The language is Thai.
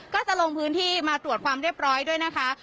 ก็จะลงพื้นที่มาตรวจความเรียบร้อยด้วยนะคะ